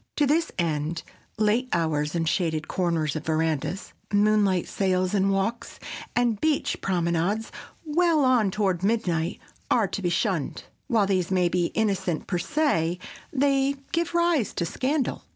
To this end, late hours in shaded corners of verandas, moonlight sails and walks, and beach promenades well on toward midnight, are to be shunned. While these may be innocent per se, they give rise to scandal.